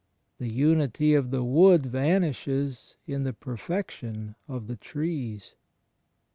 The unity of the wood vanishes in the perfection of the trees.